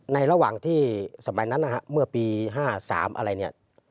ระหว่างที่สมัยนั้นนะฮะเมื่อปี๕๓อะไรเนี่ย